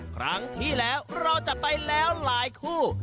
ครั้งที่แล้วเราจะไปแล้วหลายคู่